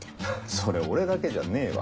それ俺だけじゃねえわ。